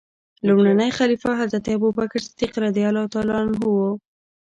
لومړنی خلیفه حضرت ابوبکر صدیق رض و.